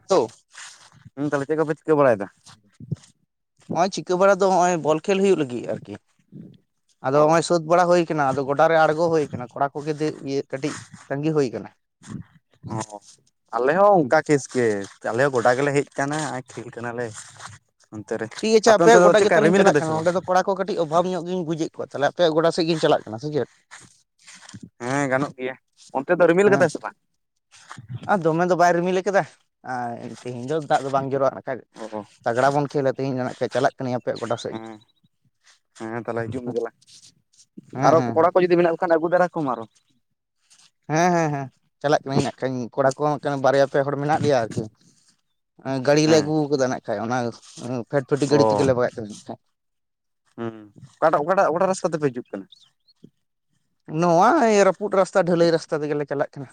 [unintelligible] ᱦᱩᱸ ᱛᱟᱞᱮ ᱪᱮᱫ ᱠᱚ ᱯᱮ ᱪᱤᱠᱟᱹ ᱵᱟᱲᱟᱭ ᱫᱟ? ᱱᱚᱜᱼᱚᱭ ᱪᱤᱠᱟᱹ ᱵᱟᱲᱟ ᱫᱚ ᱱᱚᱜᱼᱚᱭ, ᱵᱚᱞ ᱠᱷᱮᱞ ᱦᱩᱭᱩᱜ ᱞᱟᱹᱜᱤᱫ ᱟᱨᱠᱤ, ᱟᱫ ᱚ ᱚᱭ ᱥᱟᱹᱛ ᱵᱟᱲᱟ ᱦᱳᱭ ᱠᱟᱱᱟ, ᱟᱫᱚ ᱜᱚᱰᱟ ᱨᱮ ᱟᱬᱜᱚ ᱦᱳᱭ ᱟᱠᱟᱱᱟ ᱠᱚᱲᱟ ᱠᱚᱜᱮ ᱤᱭᱟᱹ ᱠᱟᱹᱴᱤᱡ ᱛᱟᱹᱜᱤ ᱦᱳᱭ ᱠᱟᱱᱟ᱾ ᱚᱻ ᱟᱞᱮ ᱦᱚᱸ ᱚᱱᱠᱟ ᱠᱮᱥ ᱜᱮ, ᱟᱞᱮ ᱦᱚᱸ ᱜᱚᱰᱟ ᱜᱮᱞᱮ ᱦᱮᱡ ᱟᱠᱟᱱᱟ ᱟᱨ ᱠᱷᱮᱞ ᱠᱟᱱᱟᱞᱮ᱾ ᱚᱱᱛᱮ ᱨᱮ, ᱴᱷᱤᱠ ᱟᱪᱷᱮ ᱟᱯᱮ ᱚᱱᱛᱮ ᱟᱯᱮᱭᱟᱜ ᱫᱚ ᱜᱚᱰᱟ ᱪᱮᱫᱠᱟ ᱜᱮᱛᱟᱞᱤᱧ ᱨᱤᱢᱤᱞ ᱪᱟᱞᱟᱜ ᱠᱟᱫᱟᱭ ᱠᱟᱱᱟ ᱥᱮ ᱵᱟᱝ? ᱚᱸᱰᱮ ᱫᱚ ᱠᱚᱲᱟ ᱠᱚ ᱠᱟᱹᱴᱤᱡ ᱚᱵᱷᱟᱵᱽ ᱧᱚᱜ ᱜᱧ ᱵᱩᱡᱮᱫ ᱠᱚᱣᱟ ᱛᱟᱦᱚᱞᱮ ᱟᱯᱮᱭᱟᱜ ᱜᱰᱟ ᱥᱮᱫᱜᱤᱧ ᱪᱟᱞᱟᱜ ᱠᱟᱱᱟ, ᱥᱮ ᱪᱮᱫ? ᱦᱮᱸ ᱜᱟᱱᱚᱜ ᱜᱮᱭᱟ ᱚᱱᱛᱮ ᱫᱚ ᱨᱤᱢᱤᱞ ᱦᱮᱸ ᱠᱟᱫᱟᱭ ᱥᱮ ᱵᱟᱝ? ᱟᱨ ᱫᱚᱢᱮ ᱫᱚ ᱵᱟᱭ ᱨᱤᱢᱤᱞ ᱠᱟᱫᱟ ᱟᱨ ᱛᱮᱤᱦᱤᱧ ᱫᱚ ᱫᱟᱜ ᱫᱚ ᱵᱟᱝ ᱡᱚᱨᱚᱜ-ᱟ ᱱᱟᱜᱠᱷᱟᱡ, ᱚ ᱛᱟᱜᱽᱲᱟ ᱵᱚᱱ ᱠᱷᱮᱞᱟ᱾ ᱛᱮᱦᱮᱧ ᱫᱚ ᱱᱟᱜᱠᱷᱟᱡ ᱪᱟᱞᱟᱜ ᱠᱟᱹᱱᱟᱹᱧ ᱟᱯᱮᱭᱟᱜ ᱜᱚᱰᱟ ᱥᱮᱫ ᱜᱮ᱾ ᱦᱮᱸ᱾ ᱦᱮᱸ ᱛᱟᱦᱚᱞᱮ ᱦᱤᱡᱩᱜ ᱢᱮ ᱫᱮᱞᱟ᱾ ᱦᱮᱸ ᱟᱨᱚ ᱦᱮᱸ ᱠᱚᱲᱟ ᱠᱚ ᱡᱩᱫᱤ ᱢᱮᱱᱟᱜ ᱠᱚ ᱠᱷᱟᱱ ᱟᱹᱜᱩ ᱫᱟᱨᱟ ᱠᱚᱚᱢ ᱟᱨᱚ᱾ ᱦᱮᱸ ᱦᱮᱸ ᱦᱮᱸ ᱪᱟᱞᱟᱜ ᱠᱟᱹᱱᱟᱹᱧ ᱱᱟᱜᱠᱷᱟᱧ, ᱠᱚᱲᱟ ᱠᱚ ᱦᱚᱸ ᱱᱟᱜᱠᱷᱟᱱ ᱵᱟᱨᱭᱟ ᱯᱮ ᱦᱚᱲ ᱢᱮᱱᱟᱜ ᱞᱮᱭᱟ ᱟᱨᱠᱤ᱾ ᱜᱟᱹᱲᱰᱤᱞᱮ ᱟᱹᱜᱩ ᱦᱮᱸ ᱠᱟᱫᱟ ᱱᱟ ᱠᱷᱟᱱᱡ ᱚᱱᱟ ᱯᱷᱴ ᱯᱷᱴᱤ ᱜᱟᱹᱰᱤ ᱚ ᱛᱮᱜᱮᱞᱮ ᱵᱟᱜᱟᱜ ᱠᱟᱱᱟ ᱱᱟᱜᱠᱷᱟᱡ᱾ ᱦᱩᱸ ᱚᱠᱟᱴᱟᱜ ᱚᱠᱟᱴᱟᱜ ᱚᱠᱟᱟᱜ ᱨᱟᱥᱛᱟ ᱛᱮᱯᱮ ᱦᱤᱡᱩᱜ ᱠᱟᱱᱟ? ᱱᱚᱣᱟ ᱮᱭ ᱨᱟᱹᱯᱩᱫ ᱨᱟᱥᱛᱟ ᱰᱷᱟᱹᱞᱟᱹᱭ ᱨᱟᱥᱛᱟ ᱛᱮᱜᱮᱞᱮ ᱪᱟᱞᱟᱜ ᱠᱟᱱᱟ᱾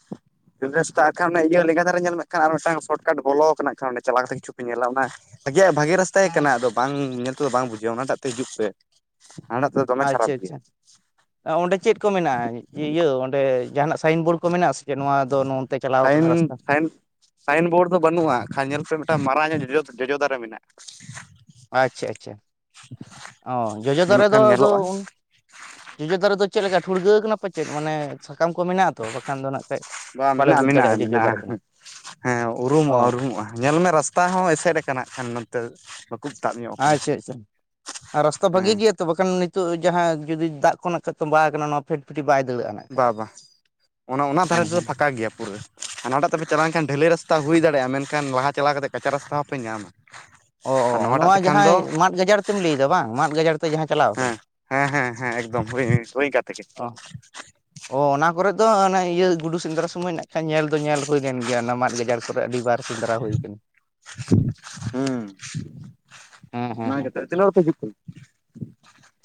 [inaudible] ᱵᱟᱹᱞ ᱨᱟᱥᱛᱟ ᱟᱨ ᱠᱷᱟᱱ ᱚᱱᱮ ᱤᱭᱟᱹ ᱞᱮᱸᱜᱟ ᱫᱷᱟᱨᱮ ᱧᱮᱞ ᱢᱮ ᱟᱠᱷᱟᱱ ᱟᱨ ᱢᱤᱫᱴᱟᱝ ᱥᱚᱨᱚᱴᱠᱟᱴ ᱵᱚᱞᱚᱣ ᱠᱟᱱᱟ ᱱᱟᱜᱠᱷᱟᱱ ᱚᱸᱰᱮ ᱪᱟᱞᱟᱣ ᱠᱟᱛᱮ ᱠᱤᱷᱩᱯᱮ ᱧᱮᱞᱟ ᱚᱱᱟ ᱵᱷᱟᱜᱮᱭᱟᱜ ᱵᱷᱟᱜᱮ ᱨᱟᱥᱛᱟ ᱜᱮ ᱠᱟᱱᱟ ᱟᱫᱚ ᱵᱟᱝ ᱧᱮᱞ ᱛᱮᱫᱚ ᱵᱟᱝ ᱵᱩᱡᱷᱟᱹᱜ-ᱟ ᱚᱱᱟᱴᱟᱜ ᱛᱮ ᱦᱤᱡᱩᱜ ᱯᱮ᱾ ᱦᱟᱱᱟᱴᱟᱜ ᱛᱮᱫᱚ ᱫᱚᱢᱮ ᱟᱪᱪᱷᱟ ᱠᱷᱟᱨᱟᱯ ᱜᱮᱭᱟ ᱟᱪᱪᱷᱟ ᱚᱸᱰᱮ ᱪᱮᱫ ᱠᱚ ᱢᱮᱱᱟᱜᱼᱟ ᱤᱭᱟᱹ ᱤᱭᱟᱹ ᱚᱸᱰᱮ ᱡᱟᱦᱟᱱᱟᱜ ᱥᱟᱭᱤᱱ ᱵᱳᱨᱰ ᱠᱚ ᱢᱮᱱᱟᱜᱼᱟ ᱥᱮ ᱪᱮᱫ ᱱᱚᱣᱟ ᱫᱚ ᱱᱚᱚᱱᱛᱮ ᱪᱟᱞᱟᱣ ᱟᱠᱟᱱᱟ ᱨᱟᱥᱛᱟ? ᱥᱟᱭᱤᱱᱵᱳᱨᱰ ᱫᱚ ᱵᱟᱹᱱᱩᱜᱼᱟ ᱦᱟᱜᱠᱷᱟᱱ ᱧᱮᱞ ᱢᱮᱥᱮ ᱢᱤᱫᱴᱟᱝ ᱢᱟᱨᱟᱝ ᱧᱚᱜ ᱡᱚᱡᱚ ᱡᱚᱡᱚ ᱫᱟᱨᱮ ᱢᱮᱱᱟᱜᱼᱟ᱾ ᱟᱪᱪᱷᱟ ᱟᱪᱪᱷᱟ ᱚ ᱡᱚᱡᱚ ᱫᱟᱨᱮ ᱧᱮᱞᱚᱜ ᱫᱚ ᱠᱷᱟᱱ ᱟᱫᱚ ᱧᱮᱞᱚᱜᱼᱟ ᱩᱱ ᱡᱚᱡᱚ ᱫᱟᱨᱮ ᱫᱚ ᱪᱮᱫ ᱞᱮᱠᱟ ᱴᱷᱩᱲᱜᱟᱹᱣ ᱠᱟᱱᱟ ᱯᱟᱪᱮᱫ ᱢᱟᱱᱮ ᱥᱟᱠᱟᱢ ᱠᱚ ᱢᱮᱱᱟᱜ ᱟᱛᱚ ᱵᱟᱠᱷᱟᱱ ᱫᱚ ᱱᱥᱜᱠᱷᱟᱡ ᱵᱟᱝ ᱢᱮᱱᱟᱜᱼᱟ ᱢᱮᱱᱟᱜᱼᱟ ᱢᱮᱱᱟᱜᱼᱟ, ᱦᱮᱸ ᱚ ᱩᱨᱩᱢᱚᱜᱼᱟ ᱩᱨᱩᱢᱚᱜᱼᱟ᱾ ᱧᱮᱞ ᱢᱮ ᱨᱟᱥᱛᱟ ᱦᱚᱸ ᱮᱥᱮᱫ ᱟᱠᱟᱱᱟ ᱦᱟᱜᱠᱷᱟᱱ ᱱᱚᱛᱮ᱾ ᱛᱟᱵ ᱧᱚᱜ ᱟᱠᱟᱱᱟ ᱟᱪᱪᱷᱟ ᱟᱪᱪᱷᱟ ᱟᱨ ᱨᱟᱥᱛᱟ ᱵᱷᱟᱹᱜᱤ ᱦᱮᱸ ᱜᱮᱭᱟ ᱛᱚ ᱵᱟᱠᱷᱟᱱ ᱱᱤᱛᱚᱜ ᱡᱟᱦᱟᱸ ᱡᱩᱫᱤ ᱫᱟᱜ ᱠᱚ ᱱᱟᱜᱠᱷᱟᱡ ᱛᱚᱸᱵᱟᱣ ᱠᱟᱱᱟ ᱱᱚᱣᱟ ᱯᱷᱴᱯᱷᱮᱴᱤ ᱵᱟᱭ ᱫᱟᱹᱲᱟᱜ-ᱟ ᱱᱟᱜ᱾ ᱠᱷᱟᱡ ᱵᱟ ᱵᱟ, ᱚᱱᱟ ᱚᱱᱟ ᱫᱷᱟᱨᱮ ᱦᱮᱸ ᱛᱮᱫᱚ ᱦᱮᱸ ᱯᱷᱟᱸᱠᱟ ᱜᱮᱭᱟ ᱯᱩᱨᱟᱹ᱾ ᱟᱨ ᱦᱟᱱᱟᱴᱟᱜ ᱛᱮᱯᱮ ᱪᱟᱞᱟᱣ ᱞᱮᱱᱠᱷᱟᱱ ᱰᱷᱟᱹᱞᱟᱹᱭ ᱨᱟᱥᱛᱟ ᱦᱩᱭ ᱫᱟᱲᱮᱭᱟᱜᱼᱟ ᱢᱮᱱᱠᱷᱟᱱ ᱞᱟᱦᱟ ᱪᱟᱞᱟᱣ ᱠᱟᱛᱮᱜ ᱠᱟᱪᱟ ᱨᱟᱥᱛᱟ ᱦᱚᱸᱯᱮ ᱧᱟᱢᱟ᱾ ᱚ ᱟᱨ ᱚ ᱱᱚᱣᱟᱴᱟᱜ ᱱᱚᱣᱟ ᱛᱮᱠᱷᱟᱱ ᱫᱚ ᱡᱟᱦᱟᱸᱭ ᱢᱟᱫ ᱜᱟᱡᱟᱲ ᱛᱮᱢ ᱞᱟᱹᱭᱮᱫᱟ ᱵᱟᱝ, ᱢᱟᱫ ᱜᱟᱡᱟᱲ ᱛᱮ ᱡᱟᱦᱟᱸ ᱪᱟᱞᱟᱣ ᱠᱟᱱᱟ? ᱦᱮᱸ ᱦᱮᱸ ᱦᱮᱸ ᱦᱮᱸ ᱮᱠᱫᱚᱢ ᱦᱳᱭ ᱦᱳᱭ ᱚᱝᱠᱟ ᱛᱮᱜᱮ᱾ ᱚ ᱚ ᱚᱱᱟ ᱠᱚᱨᱮ ᱫᱚ ᱚᱱᱮ ᱤᱭᱟᱹ ᱜᱩᱰᱩ ᱥᱮᱸᱫᱽᱨᱟ ᱥᱚᱢᱚᱭ ᱱᱟᱜ ᱠᱷᱟᱡ ᱧᱮᱞ ᱫᱚ ᱧᱮᱞ ᱦᱩᱭ ᱞᱮᱱ ᱜᱮᱭᱟ ᱚᱱᱟ ᱢᱟᱫ ᱜᱟᱡᱟᱲ ᱠᱚᱨᱮᱫ ᱟᱹᱰᱤ ᱵᱟᱨ ᱥᱮᱸᱫᱽᱨᱟ ᱦᱩᱭ ᱠᱟᱱᱟ᱾ [inaudible] ᱦᱩᱸ᱾ ᱦᱮᱸ ᱦᱮᱸ ᱦᱮᱸ ᱚᱱᱟᱜᱮ ᱛᱟᱦᱞᱮ ᱛᱤᱱᱟᱹᱜ ᱦᱚᱲ ᱯᱮ ᱦᱤᱡᱩᱜ ᱠᱟᱱᱟ?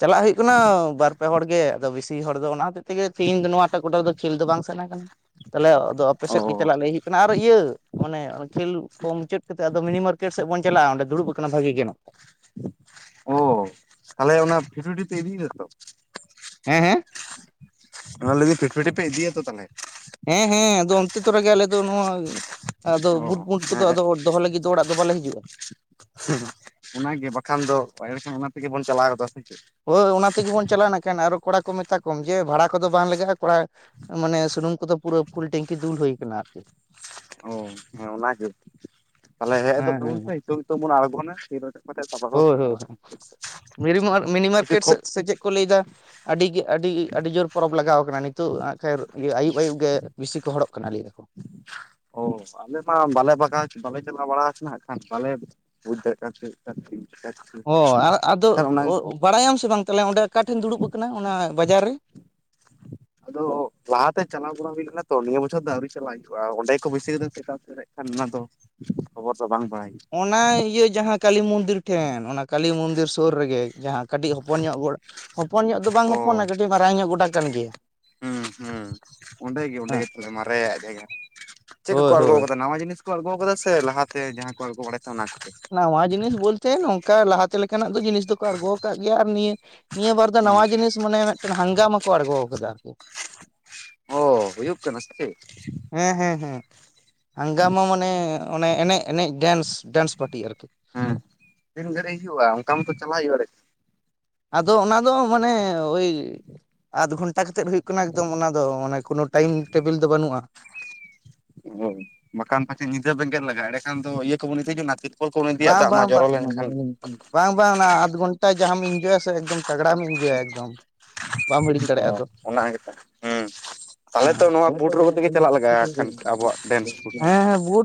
ᱪᱟᱞᱟᱜ ᱦᱩᱭᱩᱜ ᱠᱟᱱᱟ ᱵᱟᱨ ᱯᱮ ᱦᱚᱲ ᱜᱮ᱾ ᱟᱫᱚ ᱵᱤᱥᱤ ᱦᱚᱲ ᱫᱚ ᱚᱱᱟ ᱦᱚᱛᱮᱫ ᱛᱮᱜᱮ ᱥᱮ ᱤᱧ ᱫᱚ ᱱᱚᱣᱟᱴᱟᱜ ᱜᱰᱟ ᱨᱮᱫᱚ ᱠᱷᱮᱞ ᱫᱚ ᱵᱟᱝ ᱥᱮᱟᱱᱟ ᱠᱟᱱᱟ᱾ ᱛᱟᱦᱚᱞᱮ ᱟᱫᱚ ᱟᱯᱮ ᱥᱮᱫ ᱜᱮ ᱚ ᱪᱟᱞᱟᱜ ᱞᱟᱹᱭ ᱦᱩᱭᱩᱜ ᱠᱟᱱᱟ ᱟᱨ ᱤᱭᱟᱹ ᱚᱱᱮ ᱠᱷᱮᱞ ᱠᱚ ᱢᱩᱪᱟᱹᱫ ᱠᱟᱛᱮ ᱟᱫᱚ ᱢᱤᱱᱤ ᱢᱟᱨᱠᱮᱴ ᱥᱮᱫ ᱵᱚᱱ ᱪᱟᱞᱟᱜᱼᱟ, ᱚᱸᱰᱮ ᱫᱩᱲᱩᱵ ᱟᱠᱟᱱᱟ ᱵᱷᱟᱜᱤ ᱜᱮ ᱱᱟᱜ ᱠᱷᱟᱡ᱾ ᱚ᱾ ᱛᱟᱦᱚᱞᱮ ᱚᱱᱟ ᱯᱷᱤᱴᱩᱴᱤ ᱛᱮ ᱤᱫᱤᱭ ᱫᱟᱛᱚ? ᱦᱮᱸ ᱦᱮᱸ᱾ ᱚᱱᱟ ᱞᱟᱹᱭᱫᱟᱧ ᱯᱷᱮᱴ ᱯᱷᱮᱴᱤ ᱯᱮ ᱤᱫᱤᱭᱟᱛᱚ ᱛᱟᱞᱦᱮ? ᱦᱮᱸ ᱦᱮᱸ ᱟᱫᱚ ᱚᱱᱛᱮ ᱛᱚᱨᱟᱜᱮ ᱟᱞᱮ ᱫᱚ ᱱᱚᱣᱟ ᱟᱫᱚ ᱚ ᱵᱩᱴ-ᱢᱩᱸᱰ ᱠᱚᱫᱚ ᱦᱮᱸ ᱟᱫᱚ ᱫᱚᱦᱚ ᱞᱟᱹᱜᱤᱫ ᱫᱚ ᱚᱲᱟᱜ ᱫᱚ ᱵᱟᱞᱮ ᱦᱤᱡᱩᱜᱼᱟ᱾ [unintelligible] ᱚᱱᱟᱜᱮ ᱵᱟᱠᱷᱟᱱ ᱫᱚ ᱮᱲᱮᱠᱷᱟᱱ ᱚᱱᱟ ᱛᱮᱜᱮ ᱵᱚᱱ ᱪᱟᱞᱟᱣ ᱜᱚᱫᱚ-ᱟ, ᱥᱮ ᱪᱮᱫ? ᱦᱳᱭ ᱚᱱᱟ ᱛᱮᱜᱮᱵᱚᱱ ᱪᱟᱞᱟᱜᱼᱟ ᱱᱟᱠᱷᱟᱱ, ᱟᱨᱚ ᱠᱚᱲᱟ ᱠᱚ ᱢᱮᱛᱟ ᱠᱚᱢ ᱡᱮ ᱵᱷᱟᱲᱟ ᱠᱚᱫᱚ ᱵᱟᱝ ᱞᱟᱜᱟᱜᱼᱟ ᱠᱚᱲᱟ ᱢᱟᱱᱮ ᱥᱩᱱᱩᱢ ᱠᱚᱫᱚ ᱯᱩᱨᱟ. ᱯᱷᱩᱞ ᱴᱮᱝᱠᱤ ᱫᱩᱞ ᱦᱩᱭ ᱠᱟᱱᱟ ᱟᱨᱠᱤ᱾ ᱚ ᱦᱮᱸ ᱚᱱᱟᱜᱮ ᱛᱟᱞᱦᱮ ᱦᱮᱡ ᱦᱚᱫᱚᱜ ᱦᱮᱸ ᱛᱟᱵᱚᱱ ᱦᱮᱸ ᱯᱮ ᱦᱤᱛᱳᱜ ᱦᱤᱛᱳᱜ ᱵᱚᱱ ᱟᱬᱜᱳᱱᱟ᱾ ᱠᱷᱮᱞ ᱦᱚᱫᱟ ᱵᱟᱠᱷᱟᱡ [unintelligible] ᱪᱟᱞᱟᱜ ᱦᱳᱭ ᱦᱳᱭ ᱠᱟᱱᱟ ᱢᱤᱨᱤ ᱢᱤᱱᱤ ᱤᱠᱟᱹ ᱢᱟᱨᱠᱮᱴ ᱠᱷᱚ ᱥᱮᱫ ᱥᱮ ᱪᱮᱫ ᱠᱚ ᱞᱟᱹᱭ ᱫᱟ᱾ ᱟᱹᱰᱤ ᱜᱮ ᱟᱹᱰᱤ ᱟᱹᱰᱤ ᱡᱳᱨ ᱯᱚᱨᱚᱵᱽ ᱞᱟᱜᱟᱣ ᱠᱟᱱᱟ ᱱᱤᱛᱚᱜ ᱠᱷᱟᱨ ᱤᱭᱟᱹ ᱟᱹᱭᱩᱵ ᱟᱹᱭᱩᱵ ᱜᱮ ᱵᱮᱥᱤ ᱠᱚ ᱦᱚᱲᱚᱜ ᱠᱟᱱᱟ ᱞᱟᱹᱭ ᱫᱟᱠᱚ᱾ ᱚ ᱟᱞᱮ ᱢᱟ ᱵᱟᱞᱮ ᱵᱟᱜᱟᱣ ᱵᱟᱞᱮ ᱪᱟᱞᱟᱣ ᱵᱟᱲᱟ ᱠᱟᱱᱟ ᱦᱟᱸᱜ ᱠᱷᱟᱱ ᱯᱟᱞᱮᱫ [unintelligible] ᱦᱚᱭ ᱟᱨ ᱟᱫᱚ ᱮᱱᱠᱷᱟᱱ ᱚᱱᱟ ᱵᱟᱲᱟᱭᱟᱢ ᱥᱮ ᱵᱟᱝ ᱛᱟᱦᱚᱸᱞᱮ ᱚᱸᱰᱮ ᱚᱠᱟᱴᱷᱮᱱ ᱫᱩᱲᱩᱵᱽ ᱠᱟᱱᱟᱭ ᱚᱱᱟ ᱵᱟᱡᱟᱨ ᱨᱮ ᱟᱫᱚ ᱞᱟᱦᱟ ᱛᱮ ᱪᱟᱞᱟᱣ ᱵᱟᱲᱟ ᱦᱩᱭ ᱞᱮᱱᱟ ᱛᱚ, ᱱᱤᱭᱟᱹ ᱵᱚᱪᱷᱚᱨ ᱫᱚ ᱟᱹᱣᱨᱤ ᱪᱟᱞᱟᱜ ᱦᱩᱭᱩᱜ-ᱟ᱾ ᱠᱚ ᱵᱟᱹᱭᱥᱟᱹᱣ ᱠᱟᱫᱟ ᱥᱮ ᱮᱴᱟᱜ ᱥᱮᱫ ᱨᱮ ᱦᱟᱸᱜ ᱠᱷᱟᱱ ᱚᱱᱟ ᱫᱚ ᱠᱷᱚᱵᱚᱨ ᱫᱚ ᱵᱟᱝ ᱵᱟᱲᱟᱭ ᱚᱱᱟ ᱤᱭᱟᱹ ᱡᱟᱦᱟᱸ ᱠᱟᱞᱤ ᱢᱚᱱᱫᱤᱨ ᱴᱷᱮᱱ ᱚᱱᱟ ᱠᱟᱞᱤ ᱢᱚᱱᱫᱤᱨ ᱥᱩᱨ ᱨᱮ ᱜᱮ, ᱡᱟᱦᱟᱸ ᱠᱟᱹᱴᱤᱡ ᱦᱚᱯᱚᱱ ᱧᱚᱜ ᱜᱚ ᱦᱚᱯᱚᱱ ᱧᱚᱜ ᱫᱚ ᱵᱟᱝ ᱦᱩᱭᱩᱜᱼᱟ ᱚ ᱦᱚᱯᱚᱱᱟ ᱠᱟᱹᱴᱤᱡ ᱢᱟᱨᱟᱝ ᱧᱚᱜ ᱜᱚᱰᱟ ᱠᱟᱱ ᱜᱮᱭᱟ᱾ ᱦᱩᱸ ᱦᱩᱸ ᱚᱸᱰᱮ ᱜᱮ ᱚᱸᱰᱮ ᱦᱮᱸ ᱜᱮ ᱛᱟᱦᱚᱸᱞᱮ ᱢᱟᱨᱮᱭᱟᱜ ᱡᱟᱭᱜᱟ ᱪᱮᱫ ᱠᱚ ᱠᱚ ᱦᱳᱭ ᱦᱳᱭ ᱟᱬᱜᱚ ᱠᱟᱫᱟ ᱱᱟᱣᱟ ᱡᱤᱱᱤᱥ ᱠᱚ ᱟᱬᱜᱚ ᱠᱟᱫᱟ ᱥᱮ ᱞᱟᱦᱟ ᱛᱮ ᱡᱟᱦᱟᱸ ᱠᱚ ᱟᱬᱜᱚ ᱵᱟᱲᱟᱭ ᱛᱟᱦᱮᱸᱫ ᱚᱱᱟ ᱠᱚ ᱜᱮ᱾ ᱱᱟᱣᱟ ᱡᱤᱱᱤᱥ ᱵᱚᱞᱛᱮ ᱱᱚᱝᱠᱟ ᱞᱟᱦᱟ ᱛᱮ ᱞᱮᱠᱟᱱᱟᱜ ᱫᱚ ᱡᱤᱱᱤᱥ ᱫᱚ ᱠᱚ ᱟᱬᱜᱚ ᱠᱟᱜ ᱜᱮᱭᱟ ᱟᱨ ᱱᱤᱭᱟᱹ ᱱᱤᱭᱟᱹ ᱵᱟᱨ ᱫᱚ ᱱᱟᱣᱟ ᱡᱤᱱᱤᱥ ᱢᱟᱱᱮ ᱢᱮᱫᱴᱮᱱ ᱦᱟᱝᱜᱟᱢᱟ ᱠᱚ ᱟᱬᱜᱚ ᱠᱟᱫᱟ ᱚ ᱦᱳᱭᱳᱜ ᱠᱟᱱᱟ ᱥᱮ ᱪᱮᱫ? ᱦᱮᱸ ᱦᱮᱸ ᱦᱮᱸ ᱦᱟᱝᱜᱟᱢᱟ ᱢᱟᱱᱮ ᱚᱱᱮ ᱮᱱᱮᱡ ᱮᱱᱮᱡ ᱰᱮᱱᱥ ᱰᱮᱱᱥ ᱯᱟᱴᱤ ᱟᱨ ᱠᱤ᱾ ᱦᱮᱸ ᱛᱤᱱ ᱜᱷᱟᱹᱲᱤᱡ ᱦᱩᱭᱩᱜ-ᱟ ᱚᱝᱠᱟ ᱢᱛᱚ ᱪᱟᱞᱟᱜ ᱦᱩᱭᱩᱜ-ᱟ ᱮᱲᱮ ᱟᱫᱚ ᱚᱱᱟ ᱫᱚ ᱢᱟᱱᱮ ᱳᱭ ᱟᱫᱷ ᱜᱷᱚᱱᱴᱟ ᱠᱟᱛᱮᱫ ᱦᱩᱭᱩᱜ ᱠᱟᱱᱟ ᱮᱠᱫᱚᱢ ᱚᱱᱟ ᱫᱚ ᱢᱟᱱᱮ ᱠᱳᱱᱳ ᱴᱟᱭᱤᱢ ᱴᱮᱵᱤᱞ ᱫᱚ ᱵᱟᱹᱱᱩᱜ-ᱟ᱾ ᱦᱳᱭ ᱵᱟᱠᱷᱟᱱ ᱯᱟᱪᱮᱫ ᱧᱤᱫᱟᱹ ᱵᱮᱸᱜᱮᱫ ᱞᱟᱜᱟ ᱮᱸᱰᱮᱠᱷᱟᱱ ᱫᱚ ᱤᱭᱟᱹ ᱠᱚᱵᱚᱱ ᱤᱫᱤ ᱡᱚᱱᱟᱜ-ᱟ ᱛᱤᱨ ᱯᱚᱞ ᱠᱚ ᱵᱚᱱ ᱤᱫᱤᱭᱟᱜ ᱵᱟᱝ ᱫᱟᱜ ᱵᱟᱝ ᱢᱟᱜ ᱡᱚᱨᱚ ᱵᱟᱝ ᱞᱮᱱᱠᱷᱟᱱ᱾ ᱵᱟᱝ ᱵᱟᱝ ᱟᱫᱷ ᱜᱷᱚᱱᱴᱟ ᱡᱟᱦᱟᱸᱢ ᱤᱱᱡᱚᱭᱟ ᱥᱮ ᱮᱠᱫᱚᱢ ᱛᱟᱜᱽᱲᱟᱢ ᱤᱱᱡᱚᱭᱟ ᱮᱠᱫᱚᱢ᱾ ᱵᱟᱢ ᱦᱤᱲᱤᱧ ᱚ ᱫᱟᱲᱮᱭᱟᱜᱼᱟ ᱟᱫᱚ ᱚᱱᱟ ᱜᱮᱛᱚ ᱦᱩᱸ᱾ ᱛᱟᱦᱚᱸᱞᱮ ᱛᱚ ᱦᱮᱸ ᱱᱚᱣᱟ ᱵᱩᱴ ᱦᱚᱨᱚᱜ ᱠᱟᱛᱮᱜ ᱜᱮ ᱪᱟᱞᱟᱜ ᱞᱟᱜᱟᱜ-ᱟ ᱦᱟᱸᱜ ᱠᱷᱟᱱ ᱟᱵᱚᱣᱟᱜ ᱰᱮᱱᱥ ᱯᱷᱩᱴ